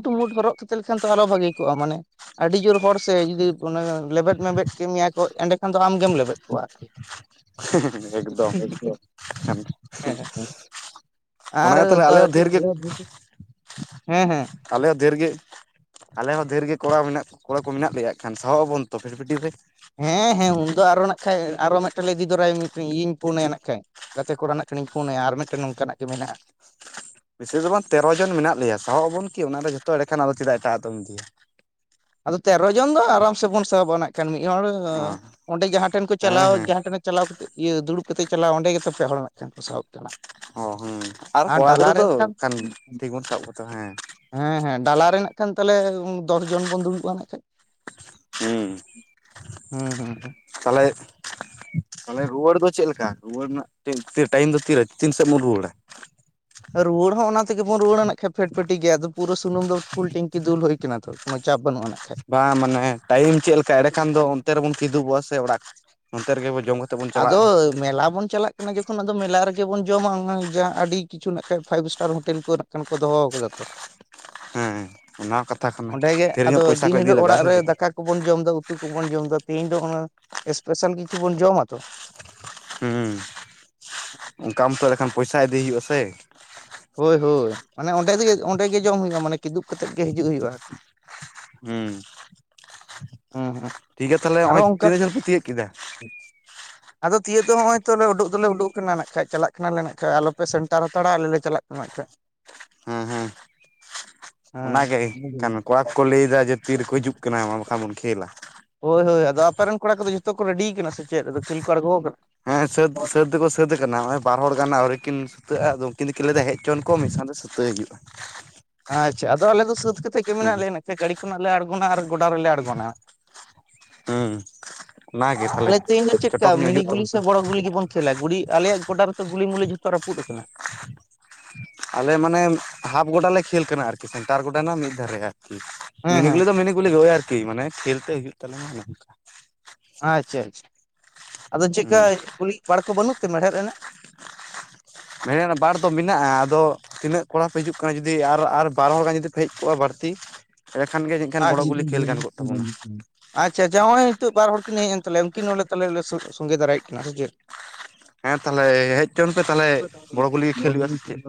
ᱴᱩᱢᱩᱴ ᱦᱚᱨᱚᱜ ᱠᱟᱛᱮ ᱞᱮᱠᱷᱟᱱ ᱛᱚ ᱟᱨ ᱦᱚᱸ ᱵᱷᱟᱜᱮ ᱠᱚᱜ-ᱟ ᱢᱟᱱᱮ ᱟᱹᱰᱤ ᱡᱳᱨ ᱦᱚᱲ ᱥᱮ ᱡᱩᱫᱤ ᱚᱱᱮ ᱞᱮᱵᱮᱫ ᱢᱮᱵᱮᱫ ᱠᱮᱫ ᱢᱮᱭᱟ ᱠᱚ ᱮᱸᱰᱮᱠᱷᱟᱱ ᱫᱚ ᱟᱢᱜᱮᱢ ᱞᱮᱵᱮᱫ ᱠᱚᱣᱟ ᱟᱨ ᱠᱤ᱾ ᱦᱮᱸ-ᱦᱮᱸ -ᱦᱮᱸ ᱮᱠᱫᱚᱢ᱾ ᱟᱨ ᱚᱱᱟ ᱜᱮ ᱛᱟᱦᱚᱞᱮ ᱟᱞᱮ ᱦᱚᱸ ᱫᱷᱮᱨ ᱜᱮ [inaudible] ᱦᱮᱸ ᱦᱮᱸ᱾ ᱟᱞᱮ ᱦᱚᱸ ᱰᱷᱮᱨ ᱜᱮ᱾ ᱟᱞᱮ ᱦᱚᱸ ᱰᱷᱮᱨ ᱜᱮ ᱠᱚᱲᱟ ᱢᱮᱱᱟᱜ ᱠᱚᱲᱟ ᱠᱚ ᱢᱮᱱᱟᱜ ᱞᱮᱭᱟ ᱦᱟᱸᱜ ᱠᱷᱟᱱ ᱥᱟᱦᱚᱵ ᱟᱵᱚᱱ ᱛᱚ ᱯᱷᱤᱴᱯᱷᱤᱴᱤ ᱨᱮ᱾ ᱦᱮᱸ ᱦᱮᱸ ᱩᱱᱫᱚ ᱟᱨᱚ ᱱᱟᱜ ᱠᱷᱟᱡ ᱟᱨᱚ ᱢᱮᱫ ᱴᱮᱡ ᱞᱮ ᱤᱫᱤ ᱫᱚᱨᱟᱭᱟ ᱢᱤᱫ ᱴᱤᱝ ᱤᱭᱟᱹᱧ ᱯᱷᱳᱱ ᱟᱭᱟ ᱱᱟᱜ ᱠᱷᱟᱡ᱾ ᱜᱟᱛᱮ ᱠᱚᱲᱟ ᱱᱟᱜ ᱠᱷᱟᱱᱤᱧ ᱯᱷᱳᱱᱟᱭᱟ ᱟᱨ ᱢᱤᱫᱴᱮᱱ ᱱᱚᱝ ᱠᱟᱱᱟᱜ ᱜᱮ ᱢᱮᱱᱟᱜ-ᱟ᱾ ᱵᱤᱥᱤ ᱫᱚ ᱵᱟᱝ ᱛᱮᱨᱚ ᱡᱚᱱ ᱢᱮᱱᱟᱜ ᱞᱮᱭᱟ ᱥᱟᱦᱚᱵ ᱟᱵᱚᱱ ᱠᱤ ᱚᱱᱟ ᱨᱮ ᱡᱚᱛᱚ ᱮᱲᱮᱠᱷᱟᱱ ᱟᱫᱚ ᱪᱮᱫᱟᱜ ᱮᱴᱟᱜ ᱫᱚᱢ ᱤᱫᱤᱭᱟ᱾ ᱟᱫᱚ ᱛᱮᱨᱚ ᱡᱚᱱ ᱫᱚ ᱟᱨᱟᱢ ᱥᱮ ᱵᱚᱱ ᱥᱟᱦᱟᱵ-ᱟ ᱱᱟᱜᱠᱷᱟᱱ ᱢᱤᱫ ᱦᱚᱲ ᱚ ᱚᱸᱰᱮ ᱡᱟᱦᱟᱸ ᱴᱷᱮᱱ ᱠᱚ ᱦᱮᱸ ᱪᱟᱞᱟᱣ ᱦᱮᱸ ᱡᱟᱦᱟᱸ ᱴᱷᱮᱱᱮ ᱪᱟᱞᱟᱣ ᱠᱟᱛᱮ ᱤᱭᱟᱹ ᱫᱩᱲᱩᱵ ᱠᱟᱛᱮ ᱪᱟᱞᱟᱣ ᱚᱸᱰᱮ ᱜᱮᱛᱚ ᱯᱮ ᱦᱚᱲ ᱢᱤᱫ ᱴᱷᱮᱱ ᱠᱚ ᱥᱟᱦᱚᱵ ᱠᱟᱱᱟ᱾ ᱚ ᱦᱮᱸ ᱟᱨ ᱠᱚᱲᱟ ᱜᱤᱫᱽᱨᱟᱹ ᱫᱚ ᱠᱷᱟᱱ ᱴᱷᱤᱠ ᱵᱚᱱ ᱥᱟᱦᱚᱵ ᱠᱚᱫᱚᱜ-ᱟ ᱦᱮᱸ᱾ ᱦᱮᱸ ᱦᱮᱸ ᱰᱟᱞᱟ ᱨᱮ ᱱᱟᱜ ᱠᱷᱟᱱ ᱛᱟᱦᱚᱸᱞᱮ ᱫᱚᱥ ᱡᱚᱱ ᱵᱚᱱ ᱫᱩᱲᱩᱵᱟ ᱱᱟᱜ ᱠᱷᱟᱡ᱾ ᱦᱩᱸ᱾ ᱦᱩᱸ ᱦᱩᱸ᱾ ᱛᱟᱦᱚᱸᱞᱮ᱾ ᱛᱟᱦᱚᱸᱞᱮ ᱨᱩᱣᱟᱹᱲ ᱫᱚ ᱪᱮᱫ ᱞᱮᱠᱟ ᱨᱩᱣᱟᱹᱲ ᱨᱮᱱᱟᱜ ᱴᱟᱭᱤᱢ ᱛᱤᱱᱟᱹᱜ ᱴᱟᱭᱤᱢ ᱫᱚ ᱛᱤ ᱨᱮ ᱛᱤᱱ ᱥᱮᱫ ᱵᱚᱱ ᱨᱩᱣᱟᱹᱲᱟ᱾ ᱨᱩᱣᱟᱹᱲ ᱦᱚᱸ ᱚᱱᱟ ᱛᱮᱜᱮ ᱵᱚᱱ ᱨᱩᱣᱟᱹᱲᱟ ᱱᱟᱜ ᱠᱷᱟᱡ ᱯᱷᱮᱰᱯᱷᱮᱴᱤ ᱜᱮ ᱟᱫᱚ ᱯᱩᱨᱟᱹ ᱥᱩᱱᱩᱢ ᱫᱚ ᱯᱷᱩᱞ ᱴᱮᱝᱠᱤ ᱫᱩᱞ ᱦᱳᱭ ᱠᱟᱱᱟ ᱛᱚ ᱠᱳᱱᱳ ᱪᱟᱯ ᱵᱟᱹᱱᱩᱜ ᱟᱱᱟ ᱵᱟᱝ ᱢᱟᱱᱮ ᱴᱟᱭᱤᱢ ᱪᱮᱫ ᱞᱮᱠᱟ, ᱮᱲᱮ ᱠᱷᱟᱱ ᱫᱚ ᱚᱱᱛᱮ ᱨᱮᱵᱚᱱ ᱠᱤᱫᱩᱵᱚᱜ-ᱟ ᱥᱮ ᱚᱲᱟᱜ ᱚᱱᱛᱮ ᱨᱮ ᱜᱮ ᱵᱚᱱ ᱡᱚᱢᱟ ᱟᱫᱚ᱾ ᱢᱮᱞᱟ ᱵᱚᱱ ᱪᱟᱞᱟᱜ ᱠᱟᱱᱟ ᱡᱚᱠᱷᱚᱱ ᱟᱫᱚ ᱢᱮᱞᱟ ᱨᱮ ᱜᱮ ᱵᱚᱱ ᱡᱚᱢᱟ ᱡᱟᱦᱟᱸ ᱟᱹᱰᱤ ᱠᱤᱪᱷᱩ ᱱᱟᱜ ᱠᱷᱟᱡ ᱯᱷᱟᱭᱤᱵᱽ ᱥᱴᱟᱨ ᱦᱳᱴᱮᱞ ᱠᱚᱨᱮᱱᱟᱜ ᱠᱷᱟᱱ ᱠᱚ ᱫᱚ ᱦᱚ ᱟᱠᱟᱫᱟ ᱛᱚ, ᱦᱮᱸ, ᱚᱱᱟ ᱠᱟᱛᱷᱟ ᱠᱟᱱᱟ ᱚᱸᱰᱮ ᱜᱮ ᱰᱷᱮᱨ ᱟᱫᱚ ᱧᱚᱜ ᱯᱚᱭᱥᱟ ᱠᱚ ᱫᱤᱱ ᱤᱫᱤ ᱦᱤᱞᱳᱜ ᱞᱟᱜᱟᱜᱼᱟ ᱚᱲᱟᱜ ᱥᱮ ᱨᱮ ᱪᱮᱫ? ᱫᱟᱠᱟ ᱠᱚᱵᱚᱱ ᱡᱚᱢᱫᱟ ᱩᱛᱩ ᱠᱚᱵᱚᱱ ᱡᱚᱢᱫᱟ ᱛᱮᱦᱮᱧ ᱫᱚ ᱚᱱᱟ ᱥᱯᱮᱥᱟᱞ ᱠᱤᱪᱷᱩ ᱵᱚᱱ ᱡᱚᱢᱟ ᱛᱚ ᱾ ᱦᱩᱸ, ᱚᱝᱠᱟ ᱢᱚᱛᱚ ᱨᱮᱲᱮ ᱠᱷᱟᱱ ᱯᱚᱭᱥᱟ ᱤᱫᱤ ᱦᱩᱭᱩᱜᱼᱟ ᱥᱮ, ᱦᱳᱭ ᱦᱳᱭ ᱢᱟᱱᱮ ᱚᱸᱰᱮ ᱚᱸᱰᱮ ᱜᱮ ᱡᱚᱢ ᱦᱩᱭᱩᱜᱼᱟ ᱢᱟᱱᱮ ᱠᱮᱫᱩᱜ ᱠᱟᱛᱮ ᱜᱮ ᱦᱤᱡᱩᱜ ᱦᱩᱭᱩᱜᱼᱟ ᱟᱨᱠᱤ ᱾ ᱦᱩᱸ, [unintelligible] ᱴᱷᱤᱠ ᱜᱮᱭᱟ ᱛᱟᱦᱞᱮ ᱟᱨᱚ ᱱᱚᱜ-ᱚᱭ ᱚᱱᱠᱟ ᱛᱤᱱᱟᱹᱜ ᱜᱟᱱ ᱯᱮ ᱛᱤᱭᱟᱹᱜ ᱠᱮᱫᱟ? ᱟᱫᱚ ᱛᱤᱭᱳᱜ ᱫᱚ ᱱᱚᱜ-ᱚᱭ ᱛᱚᱞᱮ ᱩᱰᱩᱠ ᱫᱚᱞᱮ ᱩᱰᱩᱠ ᱟᱠᱟᱱᱟ ᱱᱟᱠᱷᱟᱡ ᱪᱟᱞᱟᱜ ᱠᱟᱱᱟᱞᱮ ᱱᱟᱠᱷᱟᱡ ᱟᱞᱚᱯᱮ ᱥᱮᱱᱴᱟᱨ ᱦᱟᱛᱟᱲᱟ ᱟᱞᱮ ᱞᱮ ᱪᱟᱞᱟᱜ ᱠᱟᱱᱟ᱾ ᱮᱢᱟᱜ ᱠᱷᱟᱡ, ᱦᱮᱸ ᱚᱱᱟ ᱜᱮ ᱮᱱᱠᱷᱱ ᱠᱚᱲᱟ ᱠᱚ ᱠᱚ ᱞᱟᱹᱭᱫᱟ ᱡᱮ ᱛᱤ ᱨᱮᱠᱚ ᱦᱤᱡᱩᱜ ᱠᱟᱱᱟ ᱵᱟᱠᱷᱟᱱ ᱵᱚᱱ ᱠᱷᱮᱞᱟ, ᱦᱳᱭ ᱦᱳᱭ ᱟᱫᱚ ᱟᱯᱮ ᱨᱮᱱ ᱠᱚᱲᱟ ᱠᱚ ᱫᱚ ᱡᱷᱚᱛᱚ ᱠᱚ ᱨᱮᱰᱤ ᱠᱟᱱᱟ ᱥᱮ ᱪᱮᱫ ᱟᱫᱚ ᱠᱷᱮᱞ ᱠᱚ ᱟᱬᱜᱚ ᱟᱠᱟᱱᱟ? ᱦᱮᱸ ᱥᱟᱹᱛ ᱥᱟᱹᱛ ᱫᱚᱠᱚ ᱥᱟᱹᱛ ᱟᱠᱟᱱᱟ ᱱᱚᱜᱼᱚᱭ ᱵᱟᱨ ᱦᱚᱲ ᱜᱟᱱ ᱟᱹᱣᱨᱤ ᱠᱤᱱ ᱥᱩᱛᱟᱹᱜ-ᱟ ᱟᱫᱚ ᱩᱱᱠᱤᱱ ᱫᱚᱠᱤᱱ ᱞᱟᱹᱭᱮᱫᱟ ᱦᱮᱡ ᱦᱚᱪᱚᱣᱟᱱ ᱠᱚ ᱢᱤᱫ ᱥᱟᱶᱛᱮ, ᱛᱟᱹᱭ ᱡᱩᱜ-ᱟ [inaudible] ᱟᱪᱪᱷᱟ, ᱟᱫᱚ ᱟᱞᱮ ᱫᱚ ᱥᱟᱹᱛ ᱠᱟᱛᱮᱫ ᱜᱮ ᱢᱮᱱᱟᱜ ᱞᱮᱭᱟ ᱱᱟᱠᱷᱟᱡ ᱜᱟᱹᱰᱤ ᱠᱷᱚᱱᱟᱜ ᱞᱮ ᱟᱬᱜᱚᱱᱟ ᱟᱨ ᱜᱚᱰᱟ ᱨᱮ ᱞᱮ ᱟᱬᱜᱚᱱᱟ ᱾ ᱦᱩᱸ ᱚᱱᱟ ᱜᱮ ᱛᱟᱞᱮ ᱛᱮᱦᱮᱧ ᱫᱚ ᱪᱮᱫ ᱞᱮᱠᱟ ᱢᱤᱱᱤ ᱜᱩᱞᱤ ᱥᱮ ᱵᱚᱲᱚ ᱜᱩᱞᱤ ᱜᱮᱵᱚᱱ ᱠᱷᱮᱞᱟ ᱟᱞᱮᱭᱟᱜ ᱜᱚᱰᱟ ᱨᱮᱛ ᱚ ᱜᱩᱞᱤᱢᱩᱞᱤ ᱡᱷᱚᱛᱚ ᱨᱟᱹᱯᱩᱫ ᱟᱠᱟᱱᱟ᱾ ᱟᱞᱮ ᱢᱟᱱᱮ ᱦᱟᱯ ᱜᱚᱰᱟ ᱞᱮ ᱠᱷᱮᱞ ᱠᱟᱱᱟ ᱟᱨᱠᱤ ᱥᱮᱱᱴᱟᱨ ᱜᱚᱰᱟ ᱨᱮᱱᱟᱜ ᱢᱤᱫ ᱫᱷᱟᱨᱮ ᱟᱨᱠᱤ ᱾ ᱦᱮᱸ ᱢᱤᱱᱤ ᱦᱮᱸ ᱜᱩᱞᱤ ᱫᱚ ᱢᱤᱱᱤ ᱜᱩᱞᱤ ᱜᱮ, ᱳᱭ ᱟᱨᱠᱤ ᱢᱟᱱᱮ ᱠᱷᱮᱞ ᱛᱮ ᱦᱩᱭᱩᱜ ᱛᱟᱞᱮ ᱢᱟ ᱚᱱᱮ ᱱᱚᱝᱠᱟ ᱾ ᱟᱪᱪᱷᱟ ᱟᱪᱪᱷᱟ, ᱟᱫᱚ ᱪᱮᱫᱠᱟ ᱦᱩᱸ ᱠᱩᱞᱤ ᱵᱟᱲ ᱠᱚ ᱵᱟᱹᱱᱩᱜ ᱛᱮ ᱢᱮᱲᱦᱮᱫ ᱨᱮᱱᱟᱜ? ᱢᱮᱲᱦᱮᱫ ᱨᱮᱱᱟᱜ ᱵᱟᱲ ᱫᱚ ᱢᱮᱱᱟᱜ-ᱟ ᱟᱫᱚ, ᱛᱤᱱᱟᱹᱜ ᱠᱚᱲᱟ ᱯᱮ ᱦᱤᱡᱩᱜ ᱠᱟᱱᱟ ᱡᱩᱫᱤ ᱟᱨ ᱟᱨ ᱵᱟᱨ ᱦᱚᱲ ᱜᱟᱱ ᱡᱩᱫᱤ ᱯᱮ ᱦᱮᱡ ᱠᱚᱜ-ᱟ, ᱵᱟᱹᱲᱛᱤ ᱮᱸᱰᱮ ᱠᱷᱟᱱ ᱜᱮ ᱡᱟᱱᱤᱡ ᱠᱷᱟᱱ ᱵᱚᱲᱚ ᱜᱩᱞᱤ ᱠᱷᱮᱞ ᱜᱟᱱ ᱠᱚᱜ ᱛᱟᱵᱚᱱᱟ ᱾ ᱟᱪᱪᱷ ᱟᱪᱷᱟ, ᱱᱚᱜ-ᱚᱭ ᱱᱤᱛᱚᱜ ᱵᱟᱨ ᱦᱚᱲ ᱠᱤᱱ ᱦᱮᱡ ᱮᱱ ᱛᱟᱞᱮᱭᱟ ᱩᱱ ᱠᱤᱱ ᱱᱚᱰᱮ ᱛᱟᱞᱮ ᱞᱮ ᱥᱚᱸᱜᱮ ᱛᱟᱨᱟᱭᱮᱫ, ᱠᱤᱱᱟ ᱥᱮ ᱪᱮ? ᱦᱮᱸ, ᱛᱟᱦᱚᱞᱮ ᱦᱮᱡ ᱦᱚᱪᱚᱱ ᱯᱮ ᱛᱟᱦᱚᱞᱮ ᱵᱚᱲᱚ ᱜᱩᱞᱤ ᱜᱮ ᱠᱷᱮᱞ ᱦᱩᱭᱩᱜᱼᱟ ᱥᱮ ᱪᱮᱫ?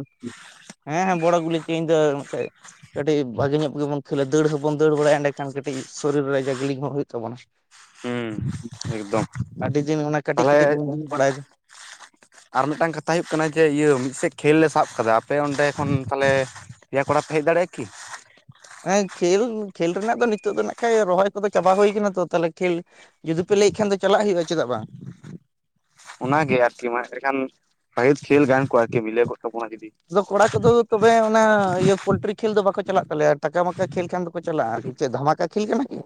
ᱦᱮᱸ ᱦᱮᱸ ᱵᱚᱲᱚ ᱜᱩᱞᱤ ᱛᱮᱦᱤᱧ ᱫᱚ ᱱᱟᱜ ᱠᱷᱟᱡ ᱠᱟᱹᱴᱤᱡ ᱵᱷᱟᱜᱮ ᱧᱚᱜ ᱜᱮᱵᱚᱱ ᱠᱷᱮᱞᱟ ᱫᱟᱹᱲ ᱵᱚᱱ ᱫᱟᱹᱲ ᱵᱟᱲᱟᱭᱟ ᱮᱸᱰᱮ ᱠᱷᱟᱱ ᱠᱟᱹᱴᱤᱡ ᱥᱚᱨᱤᱨ ᱨᱮ ᱡᱟᱜᱽᱞᱤᱝ ᱦᱚᱸ ᱦᱳᱭᱳᱜ ᱛᱟᱵᱚᱱᱟ ᱾ ᱦᱩᱸ, ᱮᱠᱫᱚᱢ ᱟᱹᱰᱤ ᱫᱤᱱ ᱚᱱᱟ ᱠᱟᱹᱴᱤᱡ ᱠᱟᱹᱴᱤᱡ ᱛᱟᱦᱚᱞᱮ ᱵᱚᱱ ᱫᱩᱲᱩᱵ ᱵᱟᱲᱟᱭᱮᱫᱟ᱾ ᱟᱨ ᱢᱤᱫᱴᱟᱝ ᱠᱟᱛᱷᱟ ᱦᱳᱭᱳᱜ ᱠᱟᱱᱟ ᱡᱮ ᱤᱭᱟᱹ ᱢᱤᱫᱥᱮᱫ ᱠᱷᱮᱞ ᱞᱮ ᱥᱟᱵ ᱠᱟᱫᱟ ᱟᱯᱮ ᱚᱸᱰᱮ ᱠᱷᱚᱱ ᱛᱟᱦᱚᱞᱮ ᱯᱮᱭᱟ ᱠᱚᱲᱟ ᱯᱮ ᱦᱮᱡ ᱫᱟᱲᱮᱭᱟᱜ-ᱟ ᱠᱤ? ᱦᱮᱸ ᱠᱷᱮᱞ ᱠᱷᱮᱞ ᱨᱮᱱᱟᱜ ᱫᱚ ᱱᱤᱛᱚᱜ ᱫᱚ ᱱᱟᱜ ᱠᱷᱟᱡ ᱨᱚᱦᱚᱭ ᱠᱚ ᱫᱚ ᱪᱟᱵᱟ ᱦᱳᱭ ᱠᱟᱱᱟ ᱛᱚ ᱛᱟᱦᱚᱞᱮ ᱠᱷᱮᱞ ᱡᱩᱫᱤ ᱯᱮ ᱞᱟᱹᱭ ᱠᱷᱟᱱ ᱫᱚ ᱪᱟᱞᱟᱜ ᱦᱳᱭᱳᱜ-ᱟ ᱪᱮᱫᱟᱜ ᱵᱟᱝ ᱾ ᱚᱱᱟᱜᱮ ᱟᱨᱠᱤ ᱢᱟ ᱮᱰᱮᱠᱷᱟᱱ ᱥᱟᱭᱤᱰ ᱠᱷᱹᱮᱞ ᱜᱟᱱ ᱠᱚᱜ- ᱟ ᱟᱨᱠᱤ ᱢᱤᱞᱟᱹᱣ ᱠᱚᱜ ᱛᱟᱵᱚᱱᱟ ᱡᱩᱫᱤ ᱾ ᱟᱫᱚ ᱠᱚᱲᱟ ᱠᱚ ᱫᱚ ᱛᱚᱵᱮ ᱚᱱᱟ ᱤᱭᱟᱹ ᱯᱳᱞᱴᱨᱤ ᱠᱷᱮᱞ ᱫᱚ ᱵᱟᱠᱚ ᱪᱟᱞᱟᱜ ᱛᱟᱞᱮᱭᱟ ᱴᱟᱠᱟ ᱢᱟᱠᱟ ᱠᱷᱮᱞ ᱠᱷᱟᱱ ᱫᱚ ᱠᱚ ᱪᱟᱞᱟᱜ-ᱟ ᱾ ᱪᱮᱫ ᱫᱷᱟᱢᱟᱠᱟ ᱠᱷᱮᱞ ᱠᱟᱱᱟ ᱠᱤ?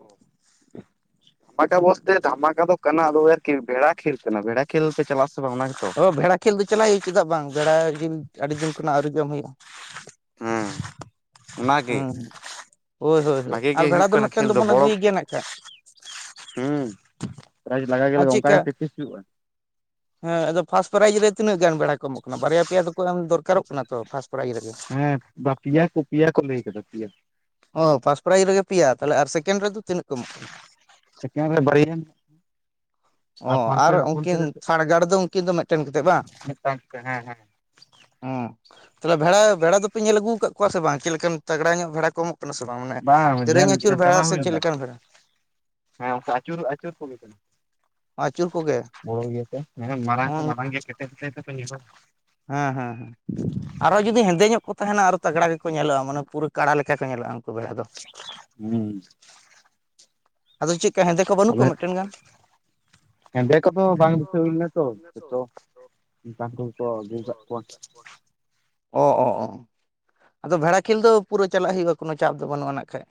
ᱫᱷᱟᱢᱟᱠᱟ ᱵᱚᱥᱛᱮ ᱫᱷᱟᱢᱟᱠᱟ ᱫᱚ ᱠᱟᱱᱟ ᱟᱫᱚ ᱟᱨᱠᱤ ᱵᱷᱮᱲᱟ ᱠᱷᱮᱞ ᱠᱟᱱᱟ ᱵᱷᱮᱲᱟ ᱠᱷᱮᱞ ᱯᱮ ᱪᱟᱞᱟᱜ-ᱟ ᱥᱮ ᱵᱟᱝ ᱚᱱᱟ ᱜᱮ ᱛᱚ, ᱵᱷᱮᱲᱟ ᱠᱷᱮᱞ ᱫᱚ ᱪᱟᱞᱟᱜ ᱦᱳᱭᱳᱜ-ᱟ ᱪᱮᱫᱟᱜ ᱵᱟᱝ ᱵᱷᱮᱲᱟ ᱡᱤᱞ ᱟᱹᱰᱤ ᱫᱤᱱ ᱠᱷᱚᱱᱟᱜ ᱟᱩᱨᱤ ᱡᱚᱢ ᱦᱳᱭᱳᱜ-ᱟ ᱾ ᱦᱩᱸ, ᱚᱱᱟᱜᱮ ᱦᱩᱸ ᱦᱳᱭ ᱦᱳᱭ ᱦᱳᱭ ᱵᱷᱟᱜᱤ ᱟᱨ ᱜᱮ ᱵᱷᱮᱲᱟ ᱦᱩᱭᱩᱜ ᱠᱟᱱᱟ ᱢᱤᱫᱴᱮᱱ ᱠᱷᱮᱞ ᱫᱚ ᱫᱚᱵᱚᱱ ᱵᱚᱲᱚ ᱟᱹᱜᱩᱭ ᱜᱮᱭᱟ ᱱᱟᱜ ᱠᱷᱟᱱ ᱦᱩᱸ, ᱯᱨᱟᱭᱤᱡᱽ ᱞᱟᱜᱟᱜ ᱜᱮ ᱟᱨ ᱞᱟᱜᱟᱜ-ᱟ ᱚᱝᱠᱟ ᱪᱮᱫᱠᱟ ᱜᱮ ᱯᱮᱠᱴᱤᱥ ᱦᱩᱭᱩᱜ-ᱟ ᱾ ᱦᱮᱸ ᱟᱫᱚ ᱯᱷᱟᱥ ᱯᱨᱟᱭᱤᱡ ᱨᱮ ᱛᱤᱱᱟᱹᱜ ᱜᱟᱱ ᱵᱷᱮᱲᱟ ᱠᱚ ᱮᱢᱚᱜ ᱠᱟᱱᱟ ᱵᱟᱨᱭᱟ ᱯᱮᱭᱟ ᱫᱚ ᱠᱚ ᱮᱢ ᱫᱚᱨᱠᱟᱨᱚᱜ ᱠᱟᱱᱟ ᱛᱚ ᱯᱷᱟᱥᱴ ᱯᱨᱟᱭᱤᱡᱽ ᱨᱮᱜᱮ ᱦᱩᱸ, ᱵᱟ ᱯᱮᱭᱟ ᱠᱚ ᱯᱮᱭᱟ ᱠᱚ ᱞᱟᱹᱭ ᱟᱠᱟᱫᱟ ᱯᱮᱭᱟ ᱾ ᱚ ᱯᱷᱟᱥᱴ ᱯᱨᱟᱭᱤᱡ ᱨᱮ ᱜᱮ ᱯᱮᱭᱟ ᱛᱟᱦᱚᱞᱮ ᱟᱨ ᱥᱮᱠᱮᱱᱰ ᱨᱮ ᱫᱚ ᱛᱤᱱᱟᱹᱜ ᱠᱚ ᱮᱢᱚᱜ ᱠᱟᱱᱟ ᱾ ᱥᱮᱠᱮᱱᱰ ᱨᱮ ᱵᱟᱨᱭᱟ ᱚ ᱯᱷᱟᱨᱠᱚ ᱟᱨ ᱩᱱ ᱤᱥᱠᱩᱞ ᱠᱤᱱ ᱯᱮᱨᱮ ᱥᱟᱲᱜᱟᱲ ᱫᱚ ᱩᱱ ᱠᱤᱱ ᱫᱚ ᱢᱤᱫᱴᱮᱱ ᱠᱟᱛᱮᱫ ᱵᱟᱝ? ᱢᱤᱫᱴᱟᱝ ᱦᱮᱸ ᱦᱮᱸ ᱦᱮᱸ, ᱛᱟᱦᱚᱞᱮ ᱵᱷᱮᱲᱟ ᱵᱷᱮᱲᱟ ᱫᱚᱯᱮ ᱧᱮᱞ ᱟᱹᱜᱩ ᱟᱠᱟᱫ ᱠᱚᱣᱟ ᱥᱮ ᱵᱟᱝ ᱪᱮᱫ ᱞᱮᱠᱟᱱ ᱛᱟᱜᱽᱲᱟ ᱧᱚᱜ ᱵᱷᱮᱲᱟ ᱠᱚ ᱮᱢᱚᱜ ᱠᱟᱱᱟ ᱥᱮ ᱵᱟᱝ ᱢᱟᱱᱮ ᱫᱮᱨᱮᱧ ᱧᱮᱞ ᱟᱹᱪᱩᱨ ᱵᱷᱮᱲᱟ ᱪᱟᱞᱟᱣ ᱥᱮ ᱦᱩᱭ ᱪᱮᱫ ᱞᱮᱱᱟ ᱞᱮᱠᱟᱱ ᱵᱷᱮᱲᱟ? ᱦᱮᱸ, ᱚᱝᱠᱟ ᱟᱪᱩᱨ ᱟᱪᱩᱨ ᱠᱚᱜᱮ ᱠᱟᱱᱟ᱾ ᱟᱹᱪᱩᱨ ᱠᱚᱜᱮ ᱠᱚᱢ ᱜᱮᱛᱮ, ᱦᱮᱸ, ᱢᱟᱨᱟᱝ ᱠᱚ ᱢᱟᱨᱟᱝ ᱜᱮᱭᱟ ᱠᱮᱴᱮᱡ ᱠᱮᱴᱮᱡ ᱛᱮᱠᱚ ᱧᱩᱨᱩ ᱦᱮᱸ ᱦᱮᱸ ᱦᱮᱸ᱾ ᱟᱨᱚ ᱡᱩᱫᱤ ᱦᱮᱸᱫᱮ ᱧᱚᱜ ᱠᱚ ᱛᱟᱦᱮᱱᱟ ᱟᱨᱚ ᱛᱟᱜᱲᱟ ᱜᱮᱠᱚ ᱧᱮᱞᱚᱜ-ᱟ, ᱢᱟᱱᱮ ᱯᱩᱨᱟᱹ ᱠᱟᱲᱟ ᱞᱮᱠᱟ ᱠᱚ ᱧᱮᱞᱚᱜ-ᱟ᱾ ᱦᱩᱸ᱾ ᱟᱫᱚ ᱪᱮᱠ ᱠᱟ ᱦᱮᱸᱫᱮ ᱠᱚ ᱵᱟᱹᱱᱩᱜ ᱠᱚᱣᱟ ᱢᱤᱫᱴᱮᱱ ᱜᱟᱱ? ᱦᱮᱫᱮ ᱠᱚᱫᱚ ᱵᱟᱝ ᱵᱤᱥᱟᱹ ᱦᱩᱭ ᱞᱮᱱᱟ ᱛᱚ ᱡᱷᱚᱛᱚ ᱚᱠᱟ ᱠᱷᱚᱱ ᱠᱚ ᱟᱜᱩ ᱠᱟᱜ ᱠᱚᱣᱟ᱾ ᱚ ᱚ ᱚ᱾ ᱟᱫᱚ ᱵᱷᱮᱲᱟ ᱠᱷᱮᱞ ᱫᱚ ᱯᱩᱨᱟᱹ ᱪᱟᱞᱟᱜ ᱦᱩᱭᱩᱜ-ᱟ ᱠᱳᱱᱚ ᱪᱟᱯ ᱫᱚ ᱵᱟᱹᱱᱩᱜ-ᱟ ᱱᱟᱜ ᱠᱷᱟᱡ᱾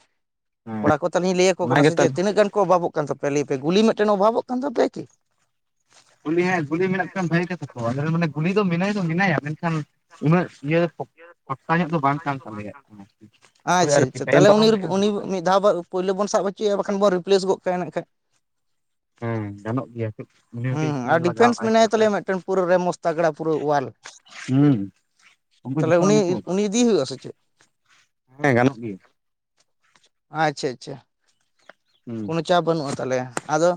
ᱦᱮᱸ ᱠᱚᱲᱟ ᱠᱚ ᱛᱟᱞᱦᱤᱧ ᱞᱟᱹᱭᱟ ᱠᱚ ᱠᱟᱱᱟ ᱚᱱᱟᱜᱮ ᱥᱮ ᱪᱮᱫ ᱛᱟᱦᱞᱮ ᱛᱤᱱᱟᱹᱜ ᱜᱟᱱ ᱚᱵᱷᱟᱚᱜ ᱠᱟᱱ ᱛᱟᱮᱭᱟ ᱞᱟᱹᱭ ᱯᱮ ᱜᱩᱞᱤ ᱢᱤᱫᱴᱮᱱ ᱚᱵᱷᱟᱵᱚᱜ ᱠᱟᱱ ᱛᱟᱯᱮᱭᱟ ᱠᱤ? ᱠᱩᱞᱤ ᱦᱮᱸ ᱜᱩᱞᱤ ᱢᱮᱱᱟᱜ ᱦᱮᱸ ᱠᱷᱟᱱ ᱜᱩᱞᱤ ᱵᱷᱟᱹᱜᱤ ᱢᱮᱱᱟᱜ ᱠᱚᱣᱟ ᱜᱮᱛᱟᱠᱚᱣᱟ ᱵᱷᱟᱜᱮ ᱟᱞᱮ ᱜᱮ, ᱨᱮᱱ ᱢᱟᱱᱮ ᱩᱱᱤ ᱫᱚ ᱚᱥᱩᱵᱤᱫᱟ ᱢᱮᱱᱟᱭ ᱜᱩᱞᱤ ᱫᱚ ᱢᱮᱱᱟᱭᱟ ᱢᱮᱱᱠᱷᱟᱱ ᱩᱱᱟᱹᱜ ᱤᱭᱟᱹ ᱯᱚᱠᱛᱟ ᱧᱚᱜ ᱫᱚ ᱵᱟᱝ ᱠᱟᱱ ᱛᱟᱞᱮᱭᱟᱭ᱾ ᱟᱪᱪᱷᱟ ᱟᱪᱪᱷᱟ, ᱛᱟᱦᱚᱞᱮ ᱩᱱᱤ ᱩᱱᱤ ᱠᱟᱱᱟ ᱢᱤᱫ ᱫᱷᱟᱣ ᱵᱟᱨ ᱯᱩᱭᱞᱳ ᱵᱚᱱ ᱥᱟᱵ ᱦᱚᱪᱚᱭᱟ ᱵᱟᱠᱷᱟᱱ ᱵᱚᱱ ᱨᱤᱯᱞᱮᱥ ᱜᱚᱫ ᱠᱟᱭᱮ ᱱᱟᱜ ᱠᱷᱟᱡ᱾ ᱦᱮᱸ ᱜᱟᱱᱚᱜ ᱜᱮᱭᱟ ᱠᱟᱹᱡ ᱩᱱᱤ ᱦᱚᱸ ᱠᱟᱹᱡ ᱦᱩᱸ ᱠᱷᱮᱞ ᱟᱨ ᱞᱟᱜᱟᱣ ᱰᱤᱯᱷᱮᱱᱥ ᱟᱭ ᱢᱮᱱᱟᱭ ᱛᱟᱞᱮᱭᱟ ᱢᱤᱫᱴᱮᱱ ᱯᱩᱨᱟᱹ ᱨᱮ ᱢᱚᱥ ᱯᱟᱜᱽᱲᱟ ᱯᱩᱨᱟᱹ ᱩᱣᱟᱞ ᱦᱩᱸ ᱩᱱᱠᱩ ᱛᱟᱦᱞᱮ ᱡᱚᱛᱚ ᱩᱱᱤ ᱟᱹᱜᱩ ᱠᱚᱢ ᱩᱱᱤ ᱤᱫᱤᱭᱮ ᱦᱩᱭᱩᱜ-ᱟ ᱥᱮ ᱪᱮᱫ? ᱦᱮᱸ ᱜᱟᱱᱚᱜ ᱜᱮᱭᱟ᱾ ᱟᱪᱪᱷᱟ ᱟᱪᱪᱷᱟ᱾ ᱦᱩᱸ ᱠᱳᱱᱳ ᱪᱟᱯ ᱵᱟᱹᱱᱩᱜ-ᱟ ᱛᱟᱞᱮ ᱟᱫᱚ